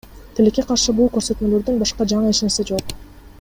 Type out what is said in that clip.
Тилекке каршы, бул көрсөтмөлөрдөн башка жаңы эч нерсе жок.